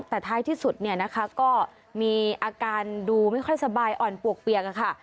แต่ท้ายที่สุดเนี่ยนะคะก็มีอาการดูไม่ค่อยสบายอ่อนปวกเปียกค่ะ